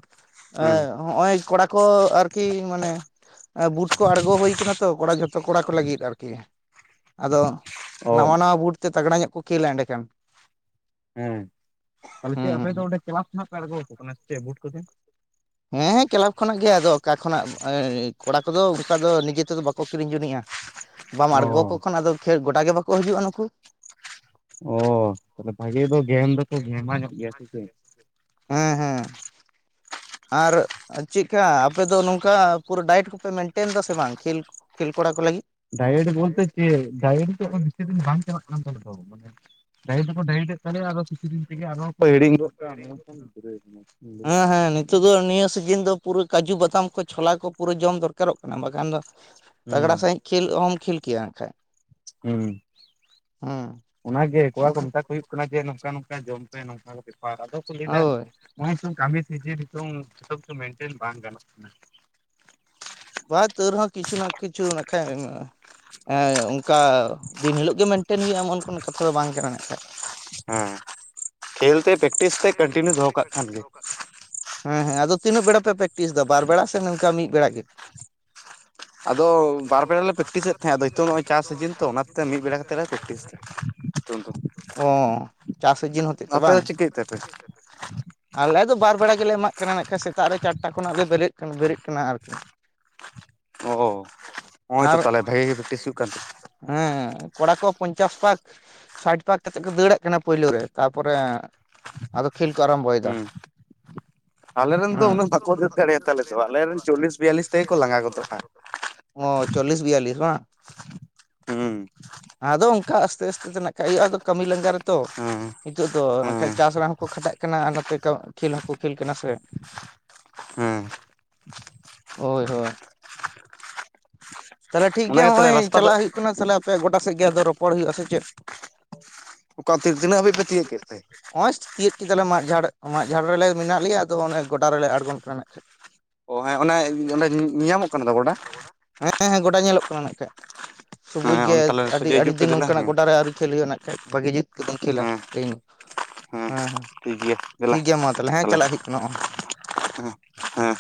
ᱦᱮᱸ ᱦᱚᱸᱜ-ᱚᱭ ᱠᱚᱲᱟ ᱠᱚ ᱟᱨᱠᱤ ᱢᱟᱱᱮ ᱵᱩᱴ ᱠᱚ ᱟᱬᱜᱳ ᱦᱩᱭ ᱠᱚᱱᱟ ᱛᱚ ᱠᱚᱲᱟ ᱡᱷᱚᱛᱚ ᱠᱚᱲᱟ ᱠᱚ ᱞᱟᱹᱜᱤᱱ ᱟᱨᱠᱤ᱾ ᱟᱫᱚ ᱚ ᱱᱟᱣᱟ ᱱᱟᱣᱟ ᱵᱩᱴ ᱛᱮ ᱛᱟᱜᱽᱲᱟ ᱧᱚᱜ ᱠᱚ ᱠᱷᱮᱞᱟ ᱮᱸᱰᱮᱠᱷᱟᱱ᱾ ᱦᱮᱸ, ᱛᱟᱦᱚᱞᱮ ᱦᱩᱸ ᱪᱮᱫ ᱟᱯᱮ ᱦᱩᱸ ᱫᱚ ᱚᱸᱰᱮ ᱠᱮᱞᱟ ᱠᱷᱱᱟᱜ ᱯᱮ ᱟᱬᱳᱣᱟ ᱠᱚ ᱠᱟᱱᱟ ᱥᱮ ᱪᱮᱫ ᱵᱩᱴ ᱠᱚᱫᱚ? ᱦᱮᱸ ᱦᱮᱸ, ᱠᱮᱞᱟᱵ ᱠᱷᱚᱱᱟᱜ ᱜᱮ ᱟᱫᱚ ᱚᱠᱟ ᱠᱷᱚᱱᱟᱜ ᱠᱚᱲᱟ ᱠᱚᱫᱚ ᱚᱱᱠᱟ ᱫᱚ ᱱᱤᱡᱮ ᱛᱮᱫᱚ ᱵᱟᱠᱚ ᱠᱤᱨᱤᱧ ᱡᱩᱱᱤᱜᱼᱟ᱾ ᱵᱟᱢ ᱚ ᱟᱬᱜᱳᱣᱟ ᱠᱚ ᱠᱷᱟᱱ ᱟᱫᱚ ᱠᱷᱮ ᱜᱚᱰᱟ ᱜᱮ ᱵᱟᱠᱚ ᱦᱤᱡᱩᱜ-ᱟ ᱱᱩᱠᱩ᱾ ᱚ ᱛᱚᱵᱮ ᱵᱷᱟᱜᱮ ᱫᱚ ᱜᱮᱝ ᱫᱚᱠᱚ ᱜᱷᱮᱢᱟ ᱧᱚᱜ ᱜᱮᱭᱟ ᱥᱮ ᱪᱮᱫ? ᱦᱮᱸ ᱦᱮᱸ᱾ ᱟᱨ ᱪᱮᱠᱠᱟ ᱟᱯᱮ ᱫᱚ ᱱᱚᱝᱠᱟ ᱯᱩᱨᱟᱹ ᱰᱟᱭᱮᱴ ᱠᱚᱯᱮ ᱢᱮᱱᱴᱮᱱ ᱫᱟ ᱥᱮ ᱵᱟᱝ ᱠᱷᱮᱞ? ᱠᱷᱮᱞ ᱠᱚᱲᱟ ᱠᱚ ᱞᱟᱹᱜᱤᱫ? ᱰᱟᱭᱮᱴ ᱵᱚᱞᱛᱮ ᱪᱮᱫ ᱰᱟᱭᱮᱴ ᱫᱚ ᱵᱮᱥᱤ ᱫᱤᱱ ᱵᱟᱝ ᱪᱟᱞᱟᱜ ᱠᱟᱱ ᱛᱟᱞᱮ ᱫᱚ। ᱰᱟᱭᱮᱴ ᱫᱚᱠᱚ ᱰᱟᱮᱭᱴ ᱮᱱ ᱛᱟᱞᱮᱭᱟ ᱟᱨᱚ ᱠᱤᱪᱷᱩ ᱫᱤᱱ ᱛᱮᱜᱮ ᱠᱚ ᱦᱤᱲᱤᱧ ᱜᱚᱫ ᱠᱟᱜ-ᱟ, ᱚᱱᱮ ᱚᱱᱠᱟᱱ ᱜᱤᱫᱨᱟᱹ ᱪᱮᱜ ᱤᱧ ᱞᱮᱭᱟ᱾ ᱦᱮᱸ ᱦᱮᱸ ᱱᱤᱛᱚᱜ ᱫᱚ ᱱᱤᱭᱟᱹ ᱥᱤᱡᱤᱱ ᱫᱚ ᱯᱩᱨᱟᱹ ᱠᱟᱹᱡᱩ ᱵᱟᱛᱟᱢ ᱠᱚ ᱪᱷᱚᱞᱟ ᱠᱚ ᱯᱩᱨᱟᱹ ᱡᱚᱢ ᱫᱚᱨᱠᱟᱨᱚᱜ ᱠᱟᱱᱟ ᱵᱟᱠᱷᱟᱱ ᱫᱚ ᱛᱟᱜᱽᱲᱟ ᱦᱩᱸ ᱥᱟᱺᱦᱤᱡ ᱠᱷᱮᱞ ᱚᱦᱚᱢ ᱠᱷᱮᱞ ᱠᱮᱭᱟ ᱦᱟᱸᱜ ᱠᱷᱟᱡ᱾ ᱦᱩᱸ, ᱦᱮᱸ ᱚᱱᱟ ᱜᱮ ᱠᱚᱲᱟ ᱠᱚ ᱵᱟᱠᱷᱟᱱ ᱢᱮᱛᱟ ᱠᱚ ᱦᱩᱭᱩᱜ ᱠᱟᱱᱟ ᱡᱮ ᱱᱚᱝᱠᱟ ᱱᱚᱝᱠᱟ ᱡᱚᱢ ᱯᱮ ᱱᱚᱝᱠᱟ ᱵᱮᱯᱟᱨ ᱟᱫᱚ ᱠᱚ ᱞᱟᱹᱭᱮᱫᱟ ᱦᱳᱭ ᱱᱚᱝ ᱠᱟᱹᱢᱤ ᱥᱤᱡᱤᱱ ᱱᱤᱛᱚᱝ ᱱᱤᱛ ᱫᱚ ᱢᱮᱱᱴᱮᱱ ᱵᱟᱝ ᱜᱟᱱᱚᱜ ᱠᱟᱱᱟ᱾ ᱵᱟ ᱛᱟᱹᱣ ᱨᱮᱦᱚᱸ ᱠᱤᱪᱷᱩ ᱱᱟ ᱠᱤᱪᱷᱩ ᱱᱟᱠᱷᱟ ᱮᱢᱚᱜ-ᱟ᱾ ᱮ ᱚᱝᱠᱟ ᱫᱤᱱ ᱦᱤᱞᱳᱜ ᱜᱮ ᱢᱮᱱᱴᱮᱱ ᱦᱩᱭᱩᱜ-ᱟ ᱮᱢᱚᱱ ᱠᱳᱱᱳ ᱠᱟᱛᱷᱟ ᱫᱚ ᱵᱟᱝ ᱠᱟᱱᱟ ᱱᱟᱜ ᱠᱷᱟᱡ᱾ ᱦᱮᱸ, ᱠᱷᱮᱞ ᱛᱮ ᱯᱮᱠᱴᱤᱥ ᱛᱮ ᱠᱟᱱᱴᱤᱱᱤᱭᱩ ᱫᱚᱦᱚ ᱠᱟᱜ ᱠᱷᱟᱱ ᱜᱮ᱾ ᱦᱮᱸ ᱦᱮᱸ, ᱟᱫᱚ ᱛᱤᱱᱟᱹᱜ ᱵᱮᱲᱟ ᱯᱮ ᱯᱮᱠᱴᱤᱥ ᱫᱟ ᱵᱟᱨ ᱵᱮᱲᱟ ᱥᱮ ᱱᱚᱝᱠᱟ ᱢᱤᱫ ᱵᱮᱲᱟ ᱜᱮ? ᱟᱫᱚ ᱵᱟᱨ ᱵᱮᱲᱟ ᱞᱮ ᱯᱮᱠᱴᱤᱥᱮᱫ ᱛᱟᱦᱮᱸᱜ ᱟᱫᱚ ᱱᱤᱛᱚᱜ ᱱᱚᱜ-ᱚᱭ ᱪᱟᱥ ᱥᱤᱡᱤᱱ ᱛᱚ ᱚᱱᱟᱛᱮ ᱢᱤᱫ ᱵᱮᱲᱟ ᱠᱟᱛᱮᱫ ᱞᱮ ᱯᱮᱠᱴᱤᱥ ᱫᱟ᱾ ᱚ ᱪᱟᱥ ᱥᱤᱡᱤᱱ ᱦᱚᱛᱮᱡ ᱛᱮ ᱟᱯᱮ ᱵᱟᱝ? ᱫᱚ ᱪᱤᱠᱟᱹᱭᱮᱫ ᱛᱮᱯᱮ ᱟᱞᱮ ᱫᱚ ᱵᱟᱨ ᱵᱮᱲᱟ ᱜᱮᱞᱮ ᱮᱢᱟᱜ ᱠᱟᱱᱟ ᱱᱟᱜ ᱠᱷᱟᱱ ᱥᱮᱛᱟᱜ ᱨᱮ ᱪᱟᱴᱴᱟ ᱠᱷᱚᱱᱟᱜ ᱞᱮ ᱵᱮᱨᱮᱫ ᱠᱟᱱᱟ ᱵᱮᱨᱮᱫ ᱠᱟᱱᱟ ᱟᱨᱠᱤ᱾ ᱚ ᱦᱚᱸᱜ-ᱚᱭ ᱛᱚ ᱟᱨ ᱛᱟᱦᱚᱞᱮ ᱵᱷᱟᱜᱤ ᱜᱮ ᱯᱮᱠᱴᱤᱥ ᱦᱩᱭᱩᱜ ᱠᱟᱱ ᱛᱟᱯ ᱦᱮᱸ ᱠᱚᱲᱟ ᱠᱚ ᱯᱚᱧᱪᱟᱥ ᱯᱟᱠ, ᱥᱟᱭᱤᱴ ᱯᱟᱠ ᱠᱟᱛᱮᱫ ᱠᱚ ᱫᱟᱹᱲᱟᱜ ᱠᱟᱱᱟ ᱯᱳᱭᱞᱳ ᱨᱮ, ᱛᱟᱨᱯᱚᱨᱮ, ᱟᱫᱚ ᱠᱷᱮᱞ ᱠᱚ ᱟᱨᱟᱢᱵᱚᱭᱮᱫᱟ, ᱟᱞᱮ ᱨᱮᱱ ᱫᱚ ᱦᱮᱸ ᱩᱱᱟ ᱵᱟᱠᱚ ᱩᱱᱟᱹᱜ ᱫᱟᱹᱲ ᱫᱟᱲᱮ ᱛᱟᱞᱮᱚ ᱫᱚ ᱫᱟᱲᱮᱭᱟᱛᱟ ᱞᱮ ᱟᱞᱮ ᱛᱚ ᱨᱮᱱ ᱪᱚᱞᱞᱤᱥ, ᱵᱤᱭᱟᱞᱞᱤᱥ ᱛᱮᱜᱮ ᱠᱚ ᱞᱟᱸᱜᱟ ᱜᱚᱫᱚᱜᱼᱟ [unintelligible] ᱚ ᱪᱚᱞᱞᱤᱥ ᱵᱤᱭᱟᱞᱞᱤᱥ ᱵᱟᱝ? ᱦᱩᱸ ᱟᱫᱚ ᱚᱱᱠᱟ ᱟᱥᱛᱮ ᱟᱥᱛᱮ ᱛᱮ ᱱᱟᱠᱷᱟᱡ ᱦᱩᱭᱩᱜᱼᱟ, ᱟᱫᱚ ᱠᱟᱹᱢᱤ ᱞᱟᱸᱜᱟ ᱨᱮᱛᱚ᱾ ᱦᱩᱸ ᱱᱤᱛᱚᱜ ᱫᱚ ᱱᱟᱠᱷᱟᱡ ᱦᱩᱸ ᱪᱟᱥ ᱨᱮᱱᱟᱜ ᱦᱚᱸᱠᱚ ᱠᱷᱟᱴᱟᱜ ᱠᱟᱱᱟ ᱟᱨ ᱱᱚᱛᱮ ᱠᱷᱮᱞ ᱦᱚᱸᱠᱚ ᱠᱷᱮᱞ ᱠᱟᱱᱟ ᱥᱮ᱾ ᱦᱩᱸ ᱦᱳᱭ ᱦᱳᱭ ᱛᱟᱦᱚᱞᱮ ᱴᱷᱤᱠ ᱜᱮᱭᱟ ᱚᱱᱟᱜᱮ ᱛᱟᱦᱚᱞᱮ ᱦᱚᱸᱜᱼᱚᱭ ᱨᱟᱥᱛᱟ ᱫᱚ ᱪᱟᱞᱟᱜ ᱦᱩᱭᱩᱜ ᱠᱟᱱᱟ ᱛᱟᱦᱚᱞᱮ ᱟᱯᱮᱭᱟᱜ ᱜᱚᱰᱟ ᱥᱮᱫᱜ ᱜᱮ ᱟᱫᱚ ᱨᱚᱯᱚᱲ ᱦᱩᱭᱩᱜᱼᱟ᱾ ᱥᱮ ᱪᱮᱫ? ᱚᱠᱟ ᱛᱤᱱᱟᱹᱜ ᱦᱟᱹᱵᱤᱡ ᱯᱮ ᱛᱤᱭᱟᱹᱜ ᱠᱮᱫ [inaudible] ᱛᱮ [unintelligible] ᱠᱤ ᱛᱟᱞᱮ ᱢᱟᱫ ᱡᱷᱟᱲ ᱢᱟᱫ ᱡᱷᱟᱲ ᱨᱮᱞᱮ ᱢᱮᱱᱟᱜ ᱞᱮᱭᱟ ᱟᱫᱚ ᱚᱱᱮ ᱜᱚᱰᱟ ᱨᱮ ᱞᱮ ᱟᱬᱜᱳᱱ ᱠᱟᱱᱟ᱾ ᱚ ᱦᱮᱸ ᱚᱱᱮ ᱚᱸᱰᱮ ᱧᱮᱧᱟᱢᱚᱜ ᱠᱟᱱᱟ ᱫᱚ ᱜᱚᱰᱟ᱾ ᱦᱮᱸ ᱦᱮᱸ ᱜᱚᱰᱟ ᱧᱮᱞᱚᱜ ᱠᱟᱱᱟ ᱱᱟᱜ ᱠᱷᱟᱡ ᱥᱩᱵᱩᱡ ᱜᱮ ᱦᱮᱸ ᱛᱟᱦᱚᱞᱮ ᱟᱹᱰᱤ ᱥᱚᱡᱷᱮ ᱟᱹᱰᱤ ᱦᱤᱡᱩᱜ ᱯᱮ ᱫᱤᱱ ᱫᱮᱞᱟ ᱱᱚᱝᱠᱟᱱᱟᱜ ᱦᱮᱸ ᱜᱚᱰᱟᱨᱮ ᱟᱹᱣᱨᱤ ᱠᱷᱮᱞ ᱦᱩᱭᱩᱜᱼᱟ ᱱᱟᱠᱷᱟᱡ᱾ ᱵᱷᱟᱜᱤ ᱡᱚᱜ ᱛᱮᱵᱚᱱ ᱠᱷᱮᱞᱟ ᱦᱮᱸ ᱛᱮᱦᱮᱧ, ᱦᱮᱸ ᱦᱮᱸ᱾ ᱴᱷᱤᱠ ᱜᱮᱭᱟ ᱫᱮᱞᱟ ᱴᱷᱤᱠ ᱜᱮᱭᱟ ᱢᱟ ᱛᱟᱦᱚᱞᱮ ᱦᱮᱸ ᱪᱟᱞᱟᱜ ᱦᱩᱭᱩᱜ ᱠᱟᱱᱟ ᱱᱚᱜᱼᱚᱭ᱾ ᱦᱮᱸ ᱦᱮᱸ